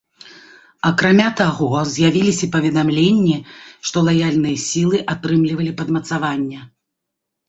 Акрамя таго, з'явіліся паведамленні, што лаяльныя сілы атрымлівалі падмацавання.